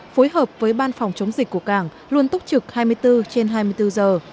phối hợp với ban phòng chống dịch của cảng luôn túc trực hai mươi bốn trên hai mươi bốn giờ